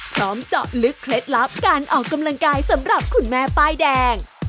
เจาะลึกเคล็ดลับการออกกำลังกายสำหรับคุณแม่ป้ายแดง